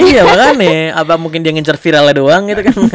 iya kan ya apa mungkin dia ngincer viralnya doang gitu kan